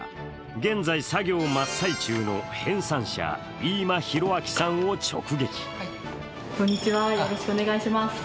現在作業真っ最中の編さん者、飯間浩明さんを直撃。